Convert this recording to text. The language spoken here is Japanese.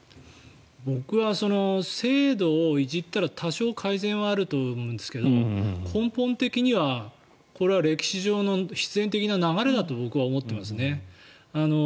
僕は制度をいじったら多少改善はあると思うんですけど根本的にはこれは歴史上の必然的な流れだと僕は思っていますよね。